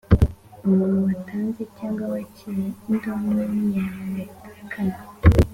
Umuntu watanze cyangwa wakiriye indonke ntiyayoberekana